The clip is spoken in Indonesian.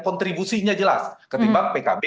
kontribusinya jelas ketimbang pkb